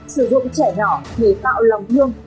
sử dụng trẻ nhỏ để tạo lòng hương